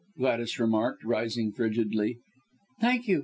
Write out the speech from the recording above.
Gladys remarked, rising frigidly. Thank you!